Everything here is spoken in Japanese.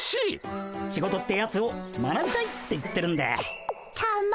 仕事ってやつを学びたいって言ってるんで。